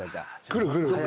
来る来る。